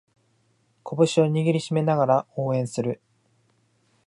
拳を握りしめながら応援する